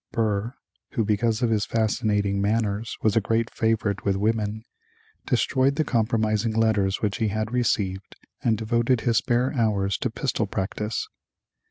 Burr, who because of his fascinating manners was a great favorite with women, destroyed the compromising letters which he had received and devoted his spare hours to pistol practice.